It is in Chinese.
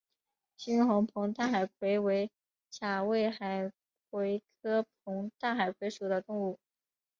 猩红膨大海葵为甲胄海葵科膨大海葵属的动物。